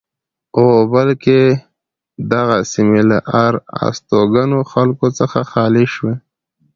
غوبل کې دغه سیمې له آر استوګنو خلکو څخه خالی شوې.